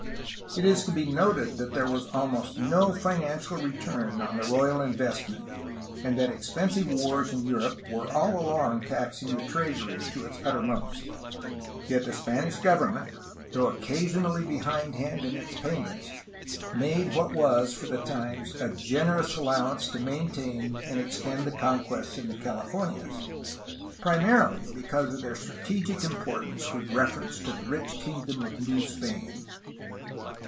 It is to be noted that there was almost no financial return on the royal investment and that expensive wars in Europe were all along taxing the treasury to its uttermost. Yet the Spanish government, though occasionally behind hand in its pajnnents, made what was, for the times, a gen erous allowance to maintain and extend the conquests in the 178 A HISTORY OF CALIFORNIA Californias, primarily because of their strategic importance with reference to the rich kingdom of New Spain.